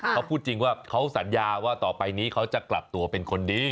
เขาพูดจริงว่าเขาสัญญาว่าต่อไปนี้เขาจะกลับตัวเป็นคนดี